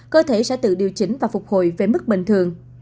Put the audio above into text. cơ thể sẽ tự điều chỉnh và phục hồi về mức bình thường